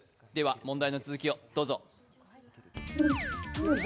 問題の続きをどうぞ。